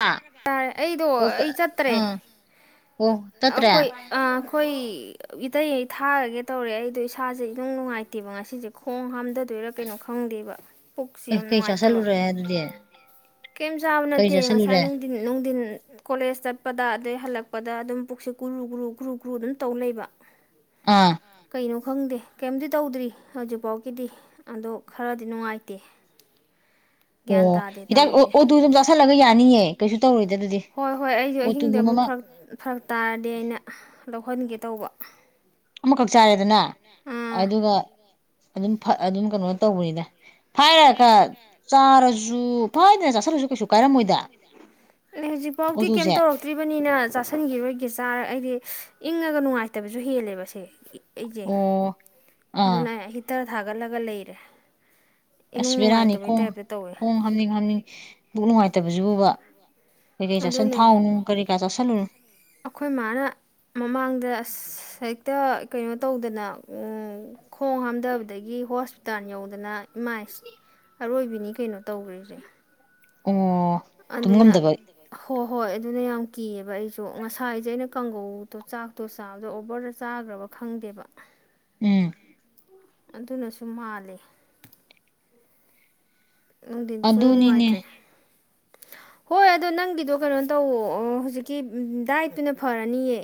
ꯍꯥ ꯌꯥꯔꯦ ꯑꯩꯗꯣ ꯑꯣ ꯀ ꯑꯩ ꯆꯠꯇ꯭ꯔꯦ ꯑꯥ ꯑꯣ ꯆꯠꯇ꯭ꯔꯦ ꯑꯦ ꯑꯩꯈꯣꯏ ꯍꯈꯣꯏ ꯏꯇꯩ ꯑꯩ ꯊꯥꯔꯒꯦ ꯇꯧꯔꯦ ꯑꯩꯗꯣ ꯏꯁꯥꯁꯦ ꯏꯅꯨꯡ ꯅꯨꯡꯉꯥꯏꯇꯦꯕ ꯉꯁꯤꯁꯦ ꯈꯣꯡ ꯍꯥꯝꯗ ꯑꯗꯨꯣꯏꯔꯥ ꯀꯩꯅꯣ ꯈꯪꯗꯦꯕ ꯄꯨꯛꯁꯤ ꯌꯥꯝ ꯀꯩ ꯅꯨꯡꯉꯥꯏꯇꯕ ꯆꯥꯥꯁꯜꯂꯨꯔꯦ ꯑꯗꯨꯗꯤ ꯀꯩꯝ ꯆꯥꯕ ꯀꯩ ꯅꯠꯇꯦ ꯉꯁꯥꯏ ꯆꯥꯥꯁꯜꯂꯨꯔꯦ ꯉꯥꯏ ꯅꯨꯡꯊꯤꯟ ꯅꯨꯡꯊꯤꯟ ꯀꯣꯂꯦꯖ ꯆꯠꯄꯗ ꯑꯗꯩ ꯍꯜꯂꯛꯄꯗ ꯑꯗꯨꯝ ꯄꯨꯛꯁꯤ ꯨꯔꯨ ꯒ꯭ꯔꯨ ꯒ꯭ꯔꯨ ꯒ꯭ꯔꯨ ꯑꯗꯨꯝ ꯇꯧ ꯂꯩꯕ ꯑꯥ ꯀꯩꯅꯣ ꯈꯪꯗꯦ ꯀꯩꯝꯇ ꯇꯧꯗ꯭ꯔꯤ ꯍꯧꯖꯤꯛꯐꯥꯎꯒꯤꯗꯤ ꯑꯗꯣ ꯈꯔꯗꯤ ꯅꯨꯡꯉꯥꯏꯇꯦ ꯒ꯭ꯌꯥꯟ ꯑꯣ ꯇꯥꯗꯦ ꯍꯤꯗꯥꯛ ꯑꯣ ꯇꯧꯔꯤꯁꯦ ꯑꯣꯇꯨ ꯑꯗꯨꯝ ꯆꯥꯥꯁꯜꯂꯒ ꯌꯥꯅꯤꯌꯦ ꯀꯩꯁꯨ ꯇꯧꯔꯣꯏꯗ ꯑꯗꯨꯗꯤ ꯍꯣꯏ ꯍꯣꯏ ꯑꯩꯁꯨ ꯑꯍꯤꯡꯗ ꯑꯣꯇꯨꯒꯨꯝꯕ ꯑꯃꯨꯛ ꯑꯃ ꯐꯔꯛ ꯇꯥꯔꯗꯤ ꯑꯩꯅ ꯂꯧꯍꯟꯒꯦ ꯇꯧꯕ ꯑꯃꯈꯛ ꯆꯥꯏꯔꯦꯗꯅ ꯑꯥ ꯑꯗꯨꯒ ꯑꯗꯨꯝ ꯑꯗꯨꯝ ꯀꯩꯅꯣ ꯇꯧꯕꯅꯤꯅ ꯐꯥꯏꯔꯒ ꯆꯥꯔꯁꯨ ꯐꯥꯏꯗꯅ ꯆꯥꯊꯂꯁꯨ ꯀꯩꯁꯨ ꯀꯥꯏꯔꯝꯃꯣꯏꯗ ꯑ ꯍꯧꯖꯤꯛꯐꯥꯎꯗꯤ ꯀꯩꯝ ꯑꯣꯇꯨꯁꯦ ꯇꯧꯔꯛꯇ꯭ꯔꯤꯕꯅꯤꯅ ꯆꯥꯥꯁꯟꯈꯤꯔꯣꯏꯒꯤ ꯆꯥꯔ ꯑꯩꯗꯤ ꯏꯪꯉꯒ ꯅꯨꯡꯉꯥꯏꯇꯕꯁꯨ ꯍꯦꯜꯂꯦꯕꯁꯦ ꯑꯩꯁꯦ ꯑꯣ ꯑꯥ ꯑꯗꯨꯅ ꯍꯇ ꯊꯥꯒꯠꯂꯒ ꯂꯩꯔꯦ ꯑꯁ ꯏꯅꯨꯡ ꯕꯦꯔꯥꯅꯤ ꯅꯨꯡꯉꯥꯏꯇꯕꯩ ꯀꯣ ꯇꯥꯏꯞꯇ ꯇꯧꯋꯦ ꯈꯣꯡꯍꯝꯅꯤꯠ ꯍꯝꯅꯤꯡ ꯕꯨꯛꯅꯨꯡꯉꯏ ꯐꯠꯇꯕꯕꯁꯤꯕꯨꯕ ꯑꯗꯨꯅꯦ ꯑꯩꯈꯣꯏ ꯃꯥꯅ ꯃꯃꯥꯡꯗ ꯑꯁ ꯍꯦꯛꯇ ꯀꯩꯅꯣ ꯇꯧꯗꯅ ꯈꯣꯡ ꯍꯥꯝꯊꯕꯗꯒꯤ ꯍꯣ ꯨꯇꯥꯟ ꯌꯧꯗꯅ ꯏꯃꯥꯏ ꯑꯔꯣꯏꯕꯤꯅꯤ ꯀꯩꯅꯣ ꯇꯧꯈ꯭ꯔꯤꯁꯦ ꯑꯣ ꯇꯨꯝ ꯑꯗꯨꯅ ꯉꯝꯗꯕ ꯍꯣ ꯍꯣꯏ ꯑꯗꯨꯅ ꯌꯥꯝ ꯀꯤꯌꯦꯕ ꯑꯩꯁꯨ ꯉꯁꯥꯏꯁꯦ ꯑꯩꯅ ꯀꯥꯡꯒꯧꯗꯣ ꯆꯥꯛꯇꯣ ꯆꯥꯕꯗꯣ ꯑꯣꯕꯔꯗ ꯆꯥꯈ꯭ꯔꯕ ꯈꯪꯗꯦꯕ ꯎꯝ ꯑꯗꯨꯅꯁꯨ ꯃꯥꯂꯦ ꯅꯨꯡꯊꯤꯟꯗꯤ ꯁꯨꯡ ꯑꯗꯨꯅꯤꯅꯦ ꯅꯨꯡꯉꯥꯏꯇ꯭ꯔꯦ ꯍꯣꯏ ꯑꯗꯣ ꯅꯪꯒꯤꯗꯣ ꯀꯩꯅꯣ ꯇꯧ ꯍꯧꯖꯤꯛꯀꯤ ꯗꯥꯏꯠꯇꯨꯅ ꯐꯔꯅꯤꯌꯦ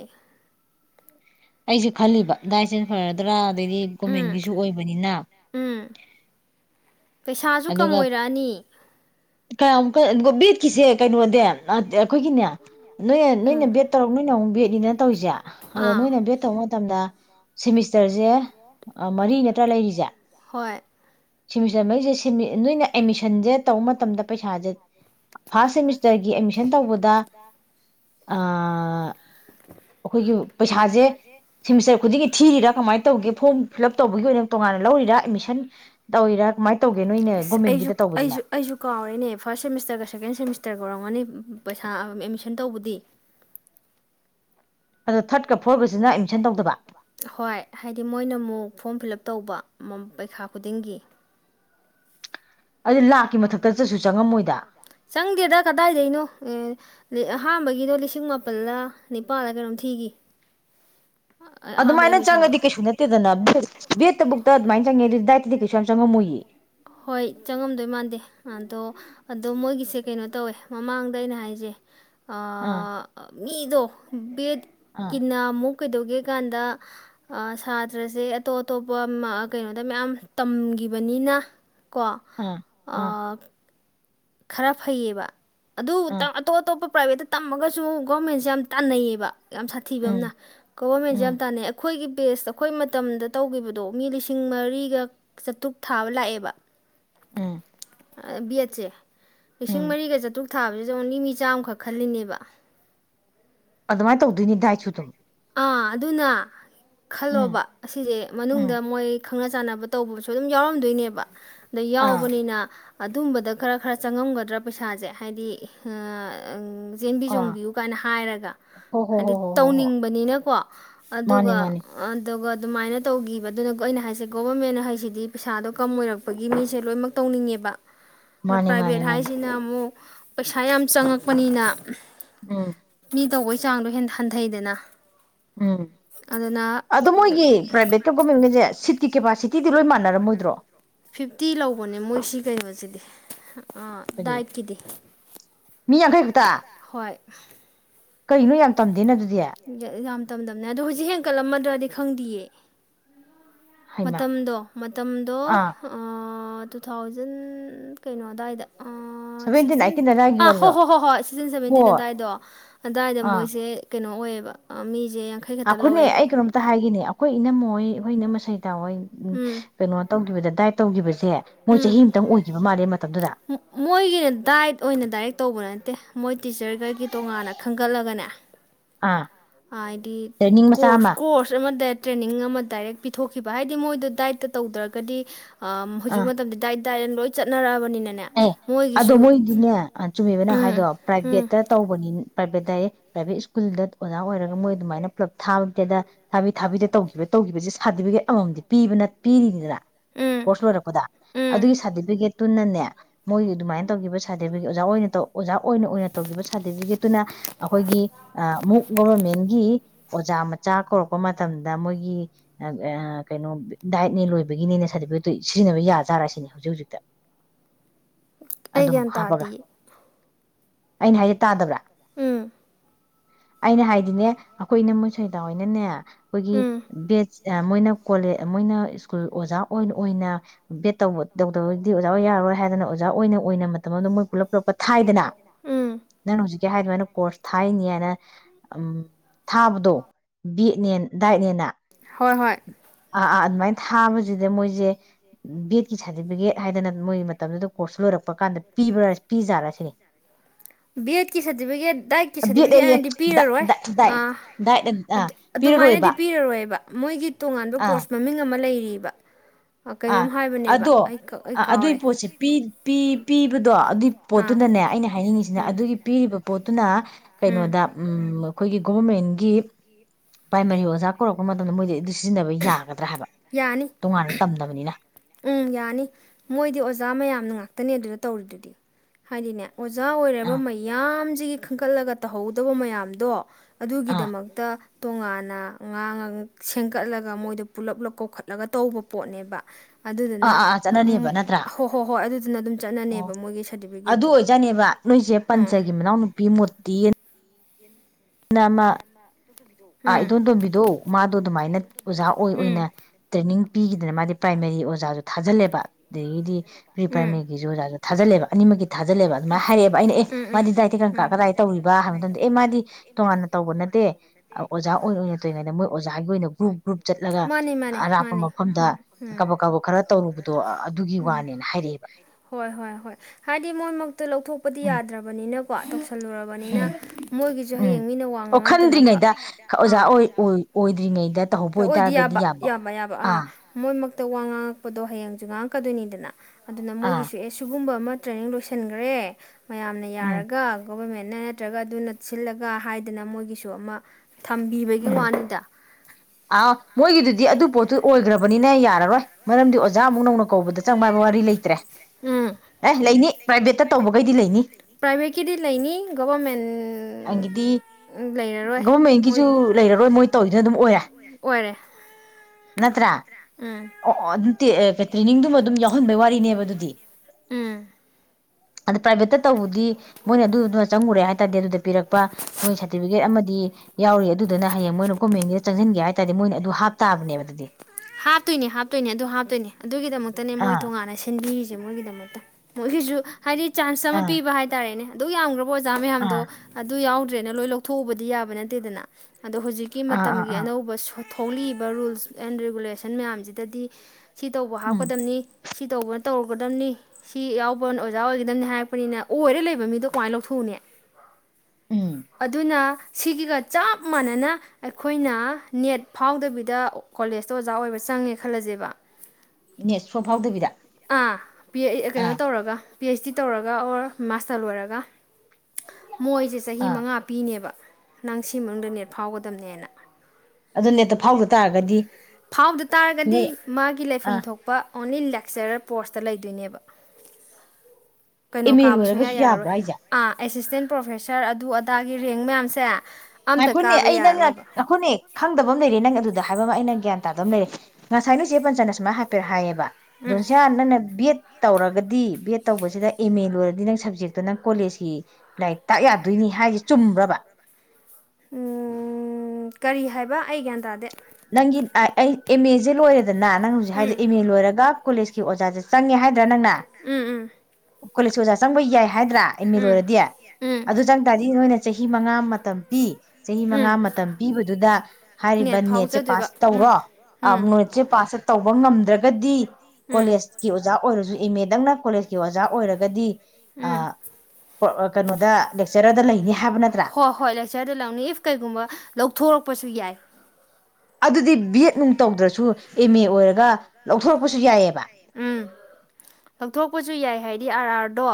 ꯑꯩꯁꯨ ꯈꯜꯂꯤꯕ ꯗꯥꯏꯠꯁ ꯐꯔꯗ꯭ꯔ ꯑꯗꯩꯗꯤ ꯎꯝ ꯒꯣꯔꯃꯦꯟꯒꯤꯁꯨ ꯑꯣꯏꯕꯅꯤꯅ ꯎꯝ ꯄꯩꯁꯥꯁꯨ ꯀꯝ ꯑꯗꯨꯒ ꯑꯣꯏꯔꯛꯑꯅꯤ ꯕꯤꯠꯀꯤꯁꯦ ꯀꯩꯅꯣꯅꯦ ꯑꯩꯈꯣꯏꯒꯤꯅꯦ ꯅꯣꯏ ꯅꯣꯏꯅ ꯎꯝ ꯕꯦꯠ ꯇꯧꯔꯛ ꯅꯣꯏꯅ ꯑꯃꯨꯛ ꯕꯦꯠꯅꯤꯅ ꯇꯧꯔꯤꯁꯦ ꯑꯗ ꯑꯥ ꯅꯣꯏꯅ ꯕꯦꯠ ꯇꯧꯕ ꯃꯇꯝꯗ ꯁꯦꯃꯤꯁꯇꯔꯁꯦ ꯃꯔꯤ ꯅꯠꯇ꯭ꯔꯥ ꯂꯩꯔꯤꯁꯦ ꯍꯣꯏ ꯁꯦꯃꯤꯁꯇꯔ ꯃꯔꯤꯁꯦ ꯅꯣꯏ ꯑꯦꯗꯃꯤꯁꯟꯁꯦ ꯇꯧꯕ ꯃꯇꯝꯗ ꯄꯩꯁꯥꯁꯦ ꯐꯔ ꯁꯇꯔꯒꯤ ꯑꯦꯗꯃꯤꯁꯟ ꯇꯧꯕꯗ ꯑꯩꯈꯣꯏꯒꯤ ꯄꯩꯁꯥꯁꯦ ꯁꯤꯃꯤꯁꯇꯔ ꯈꯨꯗꯤꯡꯒꯤ ꯊꯤꯔꯤꯔꯥ ꯀꯃꯥꯏꯅ ꯇꯧꯒꯦ ꯐꯣꯔꯝ ꯐꯤꯜ ꯑꯞ ꯇꯧꯕꯒꯤ ꯑꯣꯏꯅ ꯇꯣꯉꯥꯟꯅ ꯂꯧꯔꯤꯔ ꯑꯦꯗꯃꯤꯁꯟ ꯇꯧꯔꯤꯔꯥ ꯀꯃꯥꯏ ꯇ ꯑꯁ ꯑꯩꯁꯨ ꯑꯩꯁꯨ ꯑꯩꯁꯨ ꯀꯥꯎꯔꯦꯅꯦ ꯐꯥꯔꯁ ꯁꯦꯃꯤꯁꯇꯔꯒ ꯁꯦꯀꯦꯟ ꯁꯦꯃꯤꯁꯇꯔ ꯧꯔꯝꯒꯅꯤ ꯄꯩꯁꯥ ꯑꯦꯠꯃꯤꯁꯟ ꯇꯧꯕꯗꯤ ꯑꯗꯨ ꯍꯣꯏ ꯍꯥꯏꯗꯤ ꯃꯣꯏꯅ ꯑꯃꯨꯛ ꯐꯣꯔꯝ ꯐꯤꯜ ꯎꯞ ꯇꯧꯕ ꯄꯩꯈꯥ ꯈꯨꯗꯤꯡꯒꯤ ꯑꯗꯨ ꯃꯣꯏꯗ ꯆꯪꯗꯦꯗ ꯀꯗꯥꯏꯗꯩꯅꯣ ꯎ ꯑꯍꯥꯥꯟꯕꯒꯤꯗꯣ ꯂꯤꯁꯤꯡ ꯃꯥꯄꯜꯂ ꯅꯤꯄꯥꯜꯂ ꯀꯩꯅꯣꯝ ꯊꯤꯈꯤ ꯑ- ꯑꯍꯥꯟꯕ ꯑꯗꯨꯃꯥꯏꯅ ꯑꯦꯠꯃꯤꯁꯟꯗꯣ ꯆꯪꯉꯗꯤ ꯀꯩꯁꯨ ꯅꯠꯇꯦꯗꯅ ꯚꯦ ꯚꯦꯠꯇꯕꯨꯛꯇ ꯑꯗꯨꯃꯥꯏꯅ ꯆꯪꯉꯦ ꯑꯗꯨ ꯗꯥꯏꯠꯇꯗꯤ ꯀꯩꯁꯨ ꯌꯥꯝ ꯆꯪꯉꯝꯃꯣꯏꯌꯦ ꯆꯪꯉꯝꯗꯩ ꯃꯥꯟꯗꯦ ꯑꯗꯣ ꯑꯗꯣ ꯃꯣꯏꯒꯤꯁꯦ ꯀꯩꯅꯣ ꯇꯧꯋꯦ ꯃꯃꯥꯡꯗ ꯑꯩꯅ ꯍꯥꯏꯁꯦ ꯑꯥ ꯃꯤꯗꯣ ꯑꯥ ꯕꯦꯠꯀꯤꯅ ꯑꯃꯨꯛ ꯀꯩꯗꯧꯒꯦ ꯀꯥꯟꯗ ꯁꯥꯇ꯭ꯔꯁꯦ ꯑꯇꯣꯞ ꯑꯇꯣꯞꯄ ꯀꯩꯅꯣꯗ ꯃꯌꯥꯝ ꯇꯝꯈꯤꯕꯅꯤꯅ ꯀꯣ ꯑ ꯑꯥ ꯑꯥ ꯈꯔ ꯐꯩꯌꯦꯕ ꯑꯗꯨ ꯇꯥ ꯑꯥ ꯑꯇꯣꯞ ꯑꯇꯣꯞꯄ ꯄ꯭ꯔꯥꯏꯚꯦꯠꯇ ꯇꯝꯃꯒꯁꯨ ꯒꯣꯃꯦꯟꯁꯦ ꯌꯥꯝ ꯇꯥꯟꯅꯩꯕ ꯌꯥꯝ ꯁꯥꯊꯤꯕ ꯎꯝ ꯑꯝꯅ ꯒꯣꯕꯔꯃꯦꯟꯖꯦ ꯌꯥꯝ ꯎꯝ ꯇꯥꯟꯅꯩ ꯑꯈꯣꯏꯒꯤ ꯕꯦꯁ ꯑꯩꯈꯣꯏ ꯃꯇꯝꯗ ꯇꯧꯒꯤꯕꯗꯣ ꯃꯤ ꯂꯤꯁꯤꯡ ꯃꯔꯤꯒ ꯆꯥꯇꯨꯛ ꯊꯥꯕ ꯂꯥꯛꯑꯦꯕ ꯑꯝ ꯑ ꯕꯤ ꯑꯦꯗ ꯁꯦ ꯂꯤꯁꯤꯡ ꯃꯔꯤꯒ ꯆꯇꯨꯛ ꯊꯥꯕꯖꯤꯗ ꯑꯣꯟꯂꯤ ꯃꯤ ꯆꯥꯝꯈꯛ ꯈꯜꯂꯤꯅꯦꯕ ꯑꯗꯨꯃꯥꯏ ꯇꯧꯗꯣꯏꯅꯤ ꯗꯥꯏꯠꯁꯨ ꯗꯨꯝ ꯑꯥ ꯑꯗꯨꯅ ꯎꯝ ꯈꯜꯂꯣꯕ ꯑꯁꯤꯖꯦ ꯎꯝ ꯃꯅꯨꯡꯗ ꯃꯣꯏ ꯈꯪꯅ ꯆꯥꯟꯅꯕ ꯇꯧꯕꯁꯨ ꯑꯗꯨꯝ ꯌꯥꯎꯔꯝꯗꯣꯏꯅꯦꯕ ꯗ ꯑꯥ ꯌꯥꯎꯕꯅꯤꯅ ꯑꯗꯨꯝꯕꯗ ꯈꯔ ꯈꯔ ꯆꯪꯉꯝꯒꯗ꯭ꯔꯥ ꯄꯩꯁꯥꯖꯦ ꯍꯥꯏꯗꯤ ꯍꯥ ꯑꯪ ꯆꯦꯟꯕꯤ ꯑꯥ ꯆꯣꯡꯕꯤꯌꯨ ꯀꯥꯏꯅ ꯍꯥꯏꯔꯒ ꯍꯣ ꯍꯣ ꯍꯣ ꯍꯥꯏꯗꯤ ꯍꯣ ꯍꯣ ꯍꯣ ꯇꯧꯅꯤꯡꯕꯠ ꯅꯦꯀꯣ ꯃꯥꯅꯦ ꯑꯗꯨꯒ ꯃꯥꯅꯦ ꯑꯗꯒ ꯀ ꯗꯨꯃꯥꯏꯅ ꯇꯧꯒꯤꯕ ꯗꯨꯅꯀꯣ ꯑꯩꯅ ꯍꯥꯏꯁꯦ ꯒꯣꯕꯔꯃꯦꯟ ꯍꯥꯏꯁꯤꯗꯤ ꯄꯤꯁꯥꯗꯣ ꯀꯝ ꯑꯣꯏꯔꯛꯄꯒꯤ ꯃꯤꯁꯦ ꯂꯣꯏꯃꯛ ꯇꯧꯅꯤꯡꯉꯦꯕ ꯃꯥꯅꯦ ꯃꯥꯅꯦ ꯄ꯭ꯔꯥꯏꯚꯦꯠ ꯃꯥꯅꯦ ꯍꯥꯏꯁꯤꯅ ꯑꯃꯨꯛ ꯄꯩꯁꯥ ꯌꯥꯝ ꯆꯪꯉꯛꯄꯅꯤꯅ ꯎꯝ ꯃꯤ ꯇꯧꯕꯩ ꯆꯥꯡꯗꯣ ꯍꯦꯟ ꯍꯟꯊꯩꯗꯅ ꯎꯝ ꯑꯗꯨꯅ ꯑꯗꯣ ꯃꯣꯏꯒꯤ ꯄ꯭ꯔꯥꯏꯚꯦꯠꯀ ꯒꯣꯃꯦꯟꯒꯖꯦ ꯁꯤꯠ ꯇꯤ ꯀꯦꯄꯥꯁꯤꯇꯤꯗꯤ ꯂꯣꯏ ꯃꯥꯟꯅꯔꯃꯣꯏꯗ꯭ꯔꯣ ꯐꯤꯐꯇꯤ ꯂꯧꯕꯅꯦ ꯃꯣꯏ ꯁꯤ ꯀꯩꯅꯣꯖꯤꯗꯤ ꯑ ꯀꯔꯤ ꯗꯥꯏꯠꯀꯤꯗꯤ ꯃꯤ ꯌꯥꯡꯈꯩ ꯍꯣꯏ ꯀꯩꯒꯤꯅꯣ ꯌꯥꯝ ꯇꯝꯗꯦꯅ ꯗꯨꯗ ꯌꯥꯝ ꯇꯝꯗꯝꯅꯦ ꯑꯗꯣ ꯍꯨꯖꯤꯛ ꯍꯦꯟꯀꯠꯂꯝꯃꯗ꯭ꯔꯗꯤ ꯈꯪꯗꯤꯌꯦ ꯍꯩꯃ ꯃꯇꯝꯗꯣ ꯃꯇꯝꯗꯣ ꯑꯥ ꯑꯥ ꯇꯨ ꯊꯥꯎꯖꯟ ꯀꯩꯅꯣ ꯑꯗꯋꯥꯏꯗ ꯑꯥ ꯁꯚꯦꯟꯇꯤꯟ ꯁꯤꯛꯁꯇꯤꯟ ꯑꯥꯏꯠꯇꯤꯟ ꯑꯗꯥꯏꯒꯤ ꯑꯥ ꯍꯣ ꯋꯥꯔꯤꯔꯣ ꯍꯣ ꯍꯣ ꯍꯣꯏ ꯁꯤꯛꯁꯇꯤꯟ ꯁꯚꯦꯟꯇꯤꯟ ꯍꯣꯏ ꯑꯗꯥꯏꯗꯣ ꯑꯗꯥꯏꯗ ꯃꯣꯏꯁꯦ ꯀꯦꯅꯣ ꯑꯣꯏꯑꯕ ꯃꯤꯖ ꯑꯥꯈꯣꯅꯦ ꯑꯩ ꯀꯅꯣꯝꯇ ꯍꯥꯏꯒꯦꯅꯦ ꯑꯈꯣꯏ ꯏꯅꯝꯃꯍꯣꯏ ꯑꯈꯣꯏ ꯏꯅꯝꯃ ꯁꯩꯠ ꯇ ꯍꯣꯏ ꯎꯝ ꯀꯩꯅꯣ ꯇꯧꯒꯤꯕꯗꯠ ꯀꯗꯥꯏ ꯇꯧꯈꯤꯕꯁꯦ ꯃꯣꯏ ꯎꯝ ꯆꯍꯤ ꯑꯃꯇꯪ ꯑꯣꯏꯈꯤꯕ ꯃꯥꯜꯂꯦ ꯃꯇꯝꯗꯨꯗ ꯃꯣꯏꯒꯤꯅ ꯗꯥꯏꯠ ꯑꯣꯏꯅ ꯗꯥꯏꯔꯦꯛ ꯇꯧꯕ꯭ꯔꯥ ꯅꯠꯇꯦ ꯃꯣꯏ ꯇꯤꯆꯔꯈꯒꯤ ꯇꯣꯉꯥꯟꯅ ꯈꯟꯒꯠꯂꯒꯅꯦ ꯑꯥ ꯑ ꯍꯥꯏꯗꯤ ꯇ꯭ꯔꯦꯅꯤꯡ ꯃꯆꯥ ꯀꯣꯔꯁ ꯑꯃ ꯀꯣꯔꯁ ꯃ ꯇ꯭ꯔꯦꯅꯤꯡ ꯑꯃ ꯗꯥꯏꯔꯦꯛ ꯄꯤꯊꯣꯛꯈꯤꯕ ꯍꯥꯏꯗꯤ ꯃꯣꯏꯗꯣ ꯗꯥꯏꯠꯇ ꯇꯧꯗ꯭ꯔꯒꯗꯤ ꯍꯧꯖꯤꯛ ꯑꯥ ꯃꯇꯝꯗ ꯗꯥꯏꯠ ꯗꯥꯏꯔꯦꯟ ꯂꯣꯏ ꯆꯠꯅꯔꯛꯑꯕꯅꯤꯅ ꯑꯦ ꯑꯗꯣ ꯃꯣꯏꯗꯤꯅꯦ ꯆꯨꯝꯃꯤꯕꯅ ꯍꯥꯏꯗꯣ ꯎꯝ ꯎꯝ ꯄ꯭ꯔꯥꯏꯚꯦꯠꯇ ꯇꯧꯕꯅꯤ ꯄ꯭ꯔꯥꯏꯚꯦꯠ ꯍꯥꯏꯥꯏꯌꯦ ꯄ꯭ꯔꯥꯏꯚꯦꯠ ꯁ꯭ꯀꯨꯜꯗ ꯑꯣꯖꯥ ꯑꯣꯏꯔꯒ ꯃꯣꯏ ꯑꯗꯨꯃꯥꯏꯅ ꯄꯨꯂꯞ ꯊꯥꯕꯗꯦꯗ ꯊꯥꯕꯤ ꯊꯥꯕꯤꯗ ꯇꯧꯈꯤꯕ ꯇꯧꯈꯤꯕꯁꯤ ꯁꯥꯔꯇꯤꯐꯤꯀꯦꯠ ꯑꯃꯃꯝꯗꯤ ꯄꯤꯕꯅ ꯄꯤꯔꯤꯅꯤꯗꯅ ꯎꯝ ꯀꯣꯔꯁ ꯂꯣꯏꯔꯛꯄꯗ ꯎꯝ ꯑꯗꯨꯒꯤ ꯁꯥꯔꯇꯤꯐꯤꯀꯦꯠ ꯇꯨꯟꯅꯅꯦ ꯃꯣꯏꯒꯤ ꯑꯗꯨꯃꯥꯏꯅ ꯇꯧꯈꯤꯕ ꯁꯥꯔꯇꯤꯐꯤꯀꯦꯠ ꯑꯣꯖꯥ ꯑꯣꯏꯅꯧ ꯑꯣꯖꯥ ꯑꯣꯏꯅ ꯇꯧꯈꯤꯕ ꯁꯥꯔꯇꯤꯐꯤꯀꯦꯠꯇꯨꯅ ꯑꯩꯈꯣꯏꯒꯤ ꯑꯃꯨꯛ ꯒꯣꯚꯔꯃꯦꯟꯒꯤ ꯑꯣꯖꯥ ꯃꯆꯥ ꯀꯧꯔꯛꯄ ꯃꯇꯝꯗ ꯃꯣꯏꯒꯤ ꯀꯩꯅꯣ ꯗꯥꯏꯠꯅꯦ ꯂꯣꯏꯕꯒꯤꯅꯤꯅ ꯁꯥꯔꯇꯤꯐꯤꯀꯦꯠꯇꯨ ꯁꯤꯖꯤꯟꯅꯕ ꯌꯥꯖꯥꯔꯁꯤꯅꯦ ꯍꯧꯖꯤꯛ ꯍꯧꯖꯤꯛꯇ ꯑꯩ ꯑꯗꯨꯝ ꯒ꯭ꯌꯥꯟ ꯍꯥꯞꯄꯒ ꯇꯥꯗꯤ ꯑꯩꯅ ꯍꯥꯏꯁꯦ ꯇꯥꯗꯕ꯭ꯔꯥ ꯑꯩꯅ ꯍꯥꯏꯗꯤꯅꯦ ꯑꯩꯈꯣꯏ ꯏꯅꯃꯣꯏ ꯁꯣꯏꯗꯥ ꯍꯅꯅꯦ ꯑꯩꯈꯣꯏꯒꯤ ꯎꯝ ꯕꯦꯠ ꯃꯣꯏꯅ ꯀꯣꯂꯦꯖ ꯃꯣꯏꯅ ꯁ꯭ꯀꯨꯜ ꯑꯣꯖꯥ ꯑꯣꯏꯅ ꯦꯠ ꯇꯧꯕ ꯇꯧꯗꯕꯒꯤꯗꯤ ꯑꯣꯖꯥ ꯑꯣꯏ ꯌꯥꯔꯔꯣꯏ ꯍꯥꯏꯗꯅ ꯑꯣꯖꯥ ꯑꯣꯏꯅ ꯃꯇꯝ ꯑꯃꯗ ꯃꯣꯏ ꯄꯨꯂꯞ ꯄꯨꯂꯞꯄ ꯊꯥꯏꯗꯅ ꯎꯝ ꯅꯪ ꯍꯧꯖꯤꯛꯀꯤ ꯍꯥꯏꯗꯨꯃꯥꯏꯅ ꯀꯣꯔꯁ ꯊꯥꯏꯅꯦ ꯍꯥꯏꯅ ꯊꯥꯕꯗꯣ ꯕꯤꯠꯅꯦ ꯗꯥꯏꯠꯅꯦꯅ ꯍꯣꯏ ꯍꯣꯏ ꯑꯥ ꯑꯥ ꯑꯗꯨꯃꯥꯏꯅ ꯊꯥꯕꯁꯤꯗ ꯃꯣꯏꯁꯦ ꯕꯦꯠꯀꯤ ꯁꯥꯔꯇꯤꯐꯤꯀꯦꯠ ꯍꯥꯏꯗꯅ ꯃꯣꯏꯒꯤ ꯃꯇꯝꯗꯨꯗ ꯀꯣꯔꯁ ꯂꯣꯏꯔꯛꯄ ꯀꯥꯟꯗ ꯄꯤꯕ ꯄꯤꯖꯥꯔꯁꯤꯅꯦ ꯕꯤ ꯑꯦꯠꯀꯤ ꯁꯥꯔꯇꯤꯐꯤꯀꯦꯠ ꯗꯥꯏꯠꯀꯤ ꯁꯥꯔꯇꯤꯐꯤꯀꯦꯠ ꯑꯌꯦ ꯑꯣꯏꯅꯗꯤ ꯗꯥꯏꯠ ꯄꯤꯔꯔꯣꯏ ꯗꯥꯏꯠ ꯗꯥꯏꯠ ꯑꯥ ꯑꯗꯨꯃꯥꯏꯅꯗꯤ ꯄꯤꯔꯔꯣꯏꯕ ꯄꯤꯔꯔꯣꯏꯕ ꯃꯣꯏꯒꯤ ꯇꯣꯉꯥꯟꯕ ꯑꯥ ꯀꯣꯔꯁ ꯃꯃꯤꯡ ꯑꯃ ꯂꯩꯔꯤ ꯏꯕ ꯑꯥ ꯑꯗꯣ ꯑ ꯑꯗꯨꯏ ꯀꯥꯎꯔꯦ ꯄꯣꯠꯁꯦ ꯄꯤꯄꯤ ꯄꯤꯕꯗ ꯑꯣ ꯑꯗꯨꯒꯤ ꯑꯥ ꯄꯣꯠꯇꯨꯅꯅꯦ ꯑꯩꯅ ꯍꯥꯏꯅꯤꯡꯉꯤꯁꯤꯅ ꯎꯝ ꯑꯗꯨꯒꯤ ꯄꯤꯔꯤꯕ ꯄꯣꯠꯇꯨꯅ ꯎꯝ ꯀꯩꯅꯣꯗ ꯑꯩꯈꯣꯏꯒꯤ ꯒꯣꯕꯔꯃꯦꯟꯒꯤ ꯄ꯭ꯔꯥꯏꯃꯥꯔꯤ ꯑꯣꯖꯥ ꯀꯧꯔꯛꯄ ꯃꯇꯝꯗ ꯃꯣꯏꯗꯤ ꯁꯤꯖꯤꯟꯅꯕ ꯌꯥꯒꯗ꯭ꯔꯥ ꯍꯥꯏꯕ ꯌꯥꯅꯤ ꯇꯣꯉꯥꯟꯅ ꯇꯝꯗꯕꯅꯤꯅ ꯎꯝ ꯌꯥꯅꯤ ꯃꯣꯏꯗꯤ ꯑꯣꯖꯥ ꯃꯌꯥꯝꯅ ꯉꯥꯛꯇꯅꯤ ꯑꯗꯨꯗ ꯇꯧꯔꯤꯗꯨꯗꯤ ꯍꯥꯏꯗꯤꯅꯦ ꯑꯣꯖꯥ ꯑꯣꯏꯔꯕ ꯑꯥ ꯃꯌꯥꯝ ꯁꯤꯒꯤ ꯈꯟꯒꯠꯂꯒ ꯇꯧꯍꯧꯗꯕ ꯃꯌꯥꯝꯗꯣ ꯑꯥ ꯑꯗꯨꯒꯤꯗꯃꯛꯇ ꯇꯣꯉꯥꯟꯅ ꯉꯥꯡ ꯁ ꯀꯠꯂꯒ ꯃꯣꯏꯗꯣ ꯄꯨꯜꯂꯞꯂꯞ ꯀꯧꯈꯠꯂꯒ ꯇꯧꯕ ꯄꯣꯠꯅꯦꯕ ꯑꯥ ꯑꯗꯨꯗꯨꯅ ꯑꯥ ꯑꯥ ꯆꯠꯅꯅꯦꯕ ꯅꯠꯇ꯭ꯔꯥ ꯍꯣꯏ ꯍꯣꯏ ꯍꯣꯏ ꯑꯗꯨꯗꯨꯅ ꯑꯗꯨꯝ ꯑꯣ ꯆꯠꯅꯅꯦꯕ ꯃꯣꯏꯒꯤ ꯑꯗꯨ ꯁꯥꯔꯇꯤꯐꯤꯀꯦꯠꯇꯣ ꯑꯣꯏꯖꯅꯦꯕ ꯅꯣꯏꯁꯦ ꯎꯝ ꯄꯟꯆꯒꯤ ꯃꯅꯥꯎꯅꯨꯄꯤ ꯃꯨꯔꯇꯤ ꯅꯃ ꯑꯥ ꯎꯝ ꯏꯇꯣꯟꯝꯇꯣꯝꯕꯤꯗꯣ ꯃꯥꯗꯣ ꯑꯗꯨꯃꯥꯏꯅ ꯑꯣꯖꯥ ꯎꯝ ꯑꯣꯏꯅ ꯇ꯭ꯔꯦꯅꯤꯡ ꯄꯤꯈꯤꯗꯅ ꯃꯥꯗꯤ ꯄ꯭ꯔꯥꯏꯃꯥꯔꯤ ꯑꯣꯖꯥꯁꯨ ꯊꯥꯖꯤꯜꯂꯦꯕ ꯑꯗꯒꯤꯗꯤ ꯄ ꯄ꯭ꯔ ꯎꯝ ꯃꯤꯒꯤꯖ ꯊꯥꯖꯜꯂꯦꯕ ꯑꯅꯤꯃꯛꯀꯤ ꯊꯥꯖꯤꯜꯂꯦꯕ ꯑꯗꯨꯥꯏꯅ ꯍꯥꯏꯔꯛꯑꯦꯕ ꯑꯩꯅ ꯑꯦ ꯎꯝ ꯃꯥꯗꯤ ꯎꯝ ꯗꯥꯏꯇꯤ ꯀꯀꯥ ꯎꯝ ꯀꯗꯥꯏ ꯇꯧꯔꯤꯕꯣ ꯍꯥꯏꯕ ꯃꯇꯝꯗ ꯑꯦ ꯃꯥꯗꯤ ꯇꯣꯉꯥꯟꯅ ꯇꯧꯕ ꯅꯠꯇꯦ ꯑꯣꯖꯥ ꯑꯣꯏꯅ ꯑꯣꯏꯅ ꯇꯣꯏꯔꯤꯉꯩꯗ ꯃꯣꯏ ꯑꯣꯖꯥꯒꯤ ꯑꯣꯏꯅ ꯒ꯭ꯔꯨꯞ ꯒ꯭ꯔꯨꯞ ꯆꯠꯂꯒ ꯃꯥꯅꯦ ꯃꯥꯅꯦ ꯑꯔꯥꯞꯄ ꯃꯥꯅꯦ ꯃꯐꯝꯗ ꯎꯝ ꯎꯝ ꯀꯕ ꯀꯕ ꯈꯔ ꯇꯧꯔꯨꯕꯗꯣ ꯑꯗꯨꯒꯤ ꯎꯝ ꯋꯥꯅꯦꯅ ꯍꯥꯏꯔꯛꯑꯦꯕ ꯍꯣꯏ ꯍꯣꯏ ꯍꯣꯏ ꯃꯣꯏꯃꯛꯇ ꯂꯧꯊꯣꯛꯄꯗꯤ ꯎꯝ ꯌꯥꯗ꯭ꯔꯕꯅꯤꯅ ꯀꯣ ꯇꯧꯁꯜꯂꯨꯔꯕꯅꯤꯅ ꯎꯝ ꯃꯣꯏꯒꯤꯁꯨ ꯎꯝ ꯍꯌꯦꯡ ꯃꯤꯅ ꯋꯥ ꯑꯣ ꯉꯥꯡꯉꯛꯇꯅꯕ ꯈꯟꯗ꯭ꯔꯤꯉꯩꯗ ꯑꯣꯖꯥ ꯑꯥ ꯑꯣꯏ ꯑꯣꯏꯗ꯭ꯔꯤꯉꯩꯗ ꯇꯧꯍꯧꯕ ꯑꯣꯏꯗꯤ ꯑꯣꯏꯇꯥꯔꯒꯗꯤ ꯌꯥꯕ ꯌꯥꯕ ꯌꯥꯕ ꯑꯥ ꯃꯣꯏꯃꯛ ꯋꯥ ꯉꯥꯡꯉꯛꯄꯗꯣ ꯍꯌꯦꯡꯁꯨ ꯉꯥꯡꯉꯛꯀꯗꯣꯏꯅꯤꯗꯅ ꯑꯗꯨꯅ ꯑꯥ ꯃꯣꯏꯒꯤꯁꯨ ꯑꯦ ꯁꯤꯒꯨꯝꯕ ꯑꯃ ꯇ꯭ꯔꯦꯅꯤꯡ ꯂꯣꯏꯁꯤꯟꯈ꯭ꯔꯦ ꯃꯌꯥꯝꯅ ꯎꯝ ꯌꯥꯔꯒ ꯒꯣꯕꯔꯃꯦꯟꯅ ꯅꯠꯇ꯭ꯔꯒ ꯑꯗꯨ ꯅ ꯁꯤꯜꯂꯒ ꯍꯥꯏꯗꯅ ꯃꯣꯏꯒꯤꯁꯨ ꯑꯃ ꯊꯝꯕꯤꯕꯒꯤ ꯎꯝ ꯋꯥꯅꯤꯗ ꯑ ꯃꯣꯏꯒꯤꯗꯨꯗꯤ ꯑꯗꯨ ꯄꯣꯠꯇꯨ ꯑꯣꯏꯈ꯭ꯔꯕ ꯅꯤꯅꯦ ꯌꯥꯔꯔꯣꯏ ꯃꯔꯝꯗꯤ ꯑꯣꯖꯥ ꯑꯃꯨꯛ ꯅꯧꯅ ꯀꯧꯕꯗ ꯆꯪꯕꯕ ꯋꯥꯔꯤ ꯂꯩꯇ꯭ꯔꯦ ꯎꯝ ꯑꯦ ꯂꯩꯅꯤ ꯄ꯭ꯔꯥꯏꯕꯦꯠꯇ ꯇꯧꯕꯈꯩꯗꯤ ꯂꯩꯅꯤ ꯄ꯭ꯔꯥꯏꯚꯦꯠꯀꯤꯗꯤ ꯂꯩꯅꯤ ꯒꯚꯔꯃꯦꯟ ꯑꯒꯤꯗꯤ ꯃꯣꯏ ꯒꯣꯔꯔꯃꯦꯟꯒꯤꯁꯨ ꯂꯩꯔꯔꯣꯏ ꯃꯣꯏ ꯇꯧꯤꯗꯅ ꯑꯗꯨꯝ ꯑꯣꯏꯔꯦ ꯑꯣꯏꯔꯦ ꯅꯠꯇ꯭ꯔ ꯎꯝ ꯑꯣ ꯑꯖꯤ ꯇ꯭ꯔꯦꯅꯤꯡꯗꯨꯃ ꯑꯗꯨꯝ ꯌꯥꯎꯍꯟꯕꯩ ꯋꯥꯔꯤꯅꯦꯕ ꯑꯗꯨꯗꯤ ꯎꯝ ꯑꯗ ꯄ꯭ꯔꯥꯏꯚꯦꯠꯇ ꯇꯧꯕꯗꯤ ꯃꯣꯏꯅ ꯑꯗꯨꯗꯨꯅ ꯆꯪꯉꯨꯔꯦ ꯍꯥꯏ ꯇꯔꯗꯤ ꯑꯗꯨꯗ ꯄꯤꯔꯛꯄ ꯃꯣꯏ ꯁꯥꯔꯇꯤꯐꯤꯀꯦꯠ ꯑꯃꯗꯤ ꯌꯥꯎꯔꯤ ꯑꯗꯨꯗꯨꯅ ꯍꯌꯦꯡ ꯃꯣꯏꯅ ꯒꯣꯔꯃꯦꯟꯒꯤꯗ ꯆꯪꯁꯤꯟꯒꯦ ꯍꯥꯏ ꯇꯥꯔꯗꯤ ꯃꯣꯏꯅ ꯑꯗꯨ ꯍꯥꯞꯇꯥꯥꯕꯅꯦꯕ ꯑꯗꯨꯗꯤ ꯍꯥꯞꯇꯣꯏꯅꯦ ꯍꯥꯞꯇꯣꯏꯅꯦ ꯑꯗꯨ ꯍꯥꯞꯇꯣꯏꯅꯦ ꯑꯗꯨꯒꯤꯗꯃꯛꯇꯅꯦ ꯃꯣꯏ ꯑꯥ ꯇꯣꯉꯥꯟꯅ ꯁꯤꯟꯕꯤ ꯦ ꯃꯣꯏꯒꯤꯗꯃꯛꯇ ꯃꯣꯏꯒꯤꯁꯨ ꯍꯥꯏꯗꯤ ꯆꯥꯟꯁ ꯑꯃ ꯑꯥ ꯄꯤꯕ ꯍꯥꯏꯇꯥꯔꯦꯅꯦ ꯑꯗꯨ ꯌꯥꯝꯈ꯭ꯔꯣ ꯑꯣꯖꯥ ꯃꯌꯥꯝꯗꯣ ꯑꯥ ꯑꯗꯨ ꯌꯥꯎ ꯠꯇ꯭ꯔꯦꯅ ꯂꯣꯏ ꯂꯧꯊꯣꯛꯎꯕꯗꯤ ꯌꯥꯕ ꯅꯠꯇꯦꯗꯅ ꯑꯗꯣ ꯍꯧꯖꯤꯛꯀꯤ ꯑꯥ ꯑꯥ ꯃꯇꯝꯒꯤ ꯑꯥ ꯑꯅꯧꯕ ꯊꯣꯛꯂꯛꯏꯕ ꯔꯨꯜꯁ ꯑꯦꯟ ꯔꯤ ꯔꯤꯒꯨꯂꯦꯁꯟ ꯃꯌꯥꯝꯁꯤꯗꯗꯤ ꯁꯤ ꯇꯧꯕ ꯎꯝ ꯍꯥꯞꯀꯗꯝꯕꯅꯤ ꯁꯤ ꯇꯧꯕꯅ ꯇꯧꯔꯨꯒꯗꯝꯕꯅꯤ ꯁꯤ ꯌꯥꯎꯕꯅ ꯑꯣꯖꯥ ꯑꯣꯏꯒꯗꯝꯕꯅꯤ ꯍꯥꯏꯔꯛꯄꯅꯤꯅ ꯑꯣꯏꯔꯦ ꯂꯩꯕ ꯃꯤꯗꯣ ꯀꯃꯥꯏꯅ ꯂꯧꯊꯣꯛꯎꯅꯦ ꯎꯝ ꯑꯗꯨꯅ ꯁꯤꯒꯤꯒ ꯆꯞ ꯃꯥꯟꯅꯅ ꯑꯩꯈꯣꯏꯅ ꯅꯦꯠ ꯐꯥꯎꯗꯕꯤꯗ ꯀꯣꯂꯦꯖ ꯑ ꯑꯣꯖꯥ ꯑꯣꯏꯕ ꯆꯪꯉꯦ ꯈꯜꯂꯁꯦꯕ ꯅꯦꯠ ꯁꯨꯡꯐꯥꯎ ꯐꯥꯎꯗꯕꯤꯗ ꯑꯥ ꯄꯤ ꯀꯩꯅꯣ ꯑꯥ ꯇꯧꯔꯒ ꯄꯤ ꯑꯩꯆ ꯗꯤ ꯇꯧꯔꯒ ꯑꯣꯔ ꯃꯥꯁꯇꯔ ꯂꯣꯏꯔꯒ ꯃꯣꯏꯁꯦ ꯆꯍꯤ ꯑꯥ ꯃꯉꯥ ꯄꯤꯅꯦꯕ ꯅꯪ ꯁꯤ ꯃꯅꯨꯡꯗ ꯅꯦꯠ ꯐꯥꯎꯒꯗꯕꯅꯦꯅ ꯑꯗꯨ ꯅꯦꯠꯇ ꯐꯥꯎꯗ ꯇꯥꯔꯒꯗꯤ ꯐꯥꯎꯗ ꯇꯥꯔꯒꯗꯤ ꯁꯨꯡꯂꯩ ꯃꯥꯒꯤ ꯂꯩꯐꯝ ꯑꯥ ꯊꯣꯛꯄ ꯑꯣꯡꯂꯤ ꯂꯦꯛꯆꯔꯔ ꯄꯣꯔꯁꯇ ꯂꯩꯗꯣꯏꯅꯦꯕ ꯀꯩꯅꯣ ꯑꯦꯝ ꯑꯦ ꯀꯥꯕ ꯁꯨꯡꯌꯥ ꯂꯣꯏꯔꯒꯁꯨ ꯌꯥꯕ꯭ꯔꯥ ꯌꯥꯔꯔꯣꯏ ꯍꯥꯏꯁꯦ ꯑꯥꯁ ꯑꯦꯁꯤꯁꯇꯦꯟ ꯄ꯭ꯔꯣꯐꯦꯁꯔ ꯑꯗꯨ ꯑꯗꯥꯒꯤ ꯔꯦꯡ ꯃꯌꯥꯝꯁꯦ ꯑꯝꯇ ꯅꯈꯣꯏꯅꯦ ꯀꯥꯕ ꯑꯩ ꯅꯪꯅ ꯌꯥꯔꯔꯣꯏꯕ ꯅꯈꯣꯏꯅꯦ ꯈꯪꯗꯕ ꯑꯃ ꯂꯩꯔꯦ ꯅꯪ ꯑꯗꯨꯗ ꯍꯥꯏꯕ ꯑꯩꯅ ꯒ꯭ꯌꯥꯟ ꯇꯥꯗꯕ ꯂꯩꯔꯦ ꯉꯁꯥꯏ ꯅꯣꯏꯁꯦ ꯄꯟꯆꯅ ꯁꯨꯃ ꯍꯥꯏꯄꯦꯔꯦ ꯍꯥꯏꯌꯦꯕ ꯣꯟꯁꯤꯦꯌꯥꯅꯅꯦꯕꯤ ꯇꯧꯔꯒꯗꯤ ꯕꯤ ꯑꯦꯗ ꯇꯧꯕꯁꯤꯗ ꯑꯦꯝ ꯑꯦ ꯂꯣꯏꯔꯗꯤ ꯅꯪ ꯁꯕꯖꯦꯛꯇꯣ ꯅꯪ ꯀꯣꯂꯦꯖꯀꯤ ꯂꯥꯏꯔꯤꯛ ꯇꯥꯛ ꯌꯥꯗꯣꯏꯅꯤ ꯍꯥꯏꯁꯦ ꯆꯨꯝꯕ꯭ꯔꯕ ꯀꯔꯤ ꯍꯥꯏꯕ ꯑꯩ ꯒ꯭ꯌꯥꯟ ꯇꯥꯗꯦ ꯅꯪ ꯑꯩ ꯑꯦꯃꯦ ꯑꯦꯖꯦ ꯂꯣꯏꯔꯦ ꯑꯗꯨꯗꯅ ꯅꯪ ꯎꯝ ꯎꯝ ꯎꯝ ꯍꯧꯖꯤꯛ ꯍꯥꯏꯗꯤ ꯏꯃꯦꯜ ꯂꯣꯏꯔꯒ ꯀꯣꯂꯦꯖꯀꯤ ꯑꯣꯖꯥꯁꯦ ꯆꯪꯉꯦ ꯍꯥꯏ ꯎꯝ ꯎꯝ ꯀꯂꯤꯁꯁꯨꯖꯥ ꯁꯪꯕꯨ ꯌꯥꯏ ꯍꯥꯏꯗ꯭ꯔꯥ ꯏ ꯃꯤ ꯂꯣꯏꯔꯗꯤ ꯎꯝ ꯑꯗꯨ ꯆꯪ ꯇꯥꯔꯗꯤ ꯅꯣꯏ ꯆꯍꯤ ꯃꯉꯥ ꯃꯇꯝ ꯄꯤ ꯆꯍꯤ ꯃꯉꯥ ꯎꯝ ꯃꯇꯝ ꯄꯤꯕꯗꯨꯗ ꯍꯥꯏꯔꯤꯕ ꯅꯦꯠ ꯄꯥꯁ ꯐꯥꯎꯖꯗꯣꯏꯕ ꯎꯝ ꯎꯝ ꯇꯧꯔꯣꯠꯁꯦ ꯄꯥꯁ ꯇꯧꯕ ꯉꯝꯗ ꯗ꯭ꯔꯒꯗꯤ ꯎꯝ ꯀꯣꯂꯦꯖꯀꯤ ꯑꯣꯖꯥ ꯑꯣꯏꯔꯁꯨ ꯑꯦ ꯃꯦ ꯗꯪꯅ ꯀꯣꯂꯦꯖꯀꯤ ꯑꯣꯖꯥ ꯑꯣꯏꯔꯒꯗꯤ ꯎꯝ ꯑ ꯀꯩꯅꯣꯗ ꯆꯔꯗ ꯂꯩꯅꯦ ꯍꯣꯏ ꯍꯣꯏ ꯂꯦꯛꯆꯔꯗ ꯂꯧꯅꯤ ꯏꯐ ꯀꯩꯒꯨꯝꯕ ꯂꯧꯊꯣꯔꯛꯄꯁꯨ ꯌꯥꯏ ꯑꯗꯨꯗꯤ ꯕꯤ ꯑꯦꯠ ꯅꯨꯡ ꯇꯧꯗ꯭ꯔꯁꯨ ꯑꯦꯝ ꯑꯦ ꯑꯣꯏꯔꯒ ꯂꯧꯊꯣꯔꯛꯄꯁꯨ ꯌꯥꯏꯑꯦꯕ ꯎꯝ ꯂꯧꯊꯣꯛꯄꯁꯨ ꯌꯥꯏ ꯍꯥꯏꯗꯤ ꯑꯥꯔ ꯑꯥꯔꯗꯣ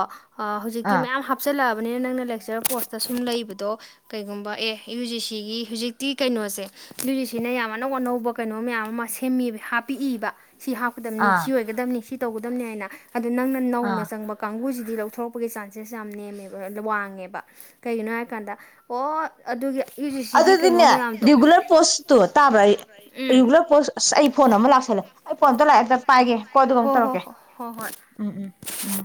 ꯍꯧꯖꯤꯛꯇꯤ ꯑꯥ ꯃꯌꯥꯝ ꯍꯥꯞꯆꯤꯜꯂꯛꯑ ꯕꯅꯤꯅ ꯅꯪꯅ ꯂꯦꯛꯆꯔ ꯄꯣꯁꯇ ꯁꯨꯝ ꯂꯩꯕꯗꯣ ꯀꯩꯒꯨꯝꯕ ꯑꯦ ꯌꯨ ꯖꯤ ꯁꯤꯒꯤ ꯍꯧꯖꯤꯛꯇꯤ ꯀꯩꯅꯣꯁꯦ ꯌꯨ ꯖꯤ ꯁꯤꯅ ꯌꯥꯝ ꯑꯅꯧ ꯑꯅꯧꯕ ꯀꯩꯅꯣ ꯃꯌꯥꯝ ꯑꯃ ꯁꯦꯝꯃꯤꯕ ꯍꯥꯞꯄꯤꯏꯕ ꯁꯤ ꯍꯥꯞꯀꯗꯝꯅꯤ ꯑꯥ ꯑꯣꯏꯒꯗꯕꯅꯤ ꯁꯤ ꯇꯧꯒꯗꯕꯅꯤ ꯍꯥꯏꯅ ꯑꯗꯨꯗ ꯅꯪꯅ ꯑꯥ ꯅꯧꯅ ꯆꯪꯕ ꯀꯥꯡꯕꯨꯁꯤ ꯗꯤ ꯂꯧꯊꯣꯔꯛꯄꯒꯤ ꯆꯥꯟꯁꯦꯁ ꯌꯥꯝ ꯅꯦꯝꯃꯦꯕ ꯋꯥꯡꯉꯦꯕ ꯀꯩꯒꯤꯅꯣ ꯍꯥꯏꯕ ꯀꯥꯟꯗ ꯑꯣ ꯑꯗꯨꯒꯤ ꯌꯨ ꯖꯤ ꯁꯤꯒꯤ ꯀꯩꯅꯣ ꯑꯗꯨꯗꯤꯅꯦ ꯃꯌꯥꯝꯗꯣ ꯔꯤꯒꯨꯂꯔ ꯄꯣꯁꯇꯣ ꯇꯥꯕ꯭ꯔꯥ ꯎꯝ ꯔꯤꯒꯨꯂꯔ ꯄꯣꯁ ꯑꯁ ꯑꯩ ꯐꯣꯟ ꯑꯃ ꯂꯥꯛꯁꯜꯂꯦ ꯑꯩ ꯐꯣꯟꯗꯣ ꯂꯥꯛꯑꯦ ꯄꯥꯏꯒꯦ ꯀꯣ ꯑꯗꯨꯒ ꯑꯃꯨꯛ ꯍꯣ ꯍꯣ ꯇꯧꯔꯛꯀꯦ ꯍꯣ ꯍꯣ ꯍꯣꯏ ꯎꯝ ꯎꯝ ꯎꯝ